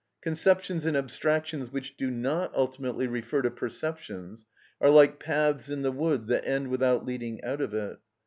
Conceptions and abstractions which do not ultimately refer to perceptions are like paths in the wood that end without leading out of it.